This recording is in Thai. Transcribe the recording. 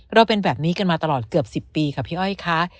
เราเป็นแบบนี้กันมาตลอดเกือบ๑๐ปีค่ะพี่อ้อยค่ะ